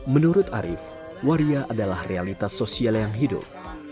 menurut arief waria adalah realitas sosial yang hidup